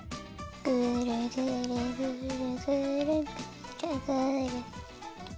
ぐるぐるぐるぐるぐるぐる。